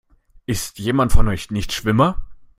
Ist jemand von euch Nichtschwimmer?